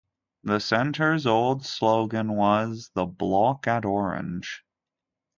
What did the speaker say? The center's old slogan was The Block at Orange...